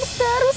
guna barus safe